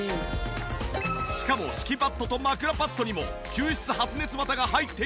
しかも敷きパッドと枕パッドにも吸湿発熱綿が入っているので全身ぬっくぬく！